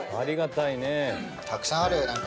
たくさんある何か。